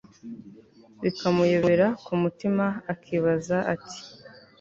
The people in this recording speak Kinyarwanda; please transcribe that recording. bikamuyobera kumutima akibaza ati